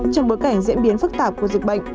trong bối cảnh diễn biến phức tạp của dịch bệnh